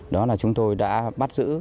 đó là chúng tôi đã bắt giữ